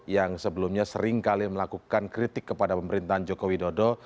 yang sebelumnya seringkali melakukan kritik kepada pemerintahan joko widodo